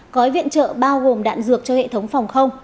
gói viện trợ bao gồm đạn dược cho hệ thống phòng không